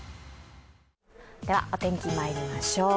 お天気、まいりましょう。